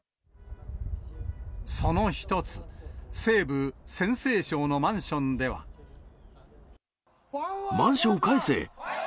その１つ、マンション返せ！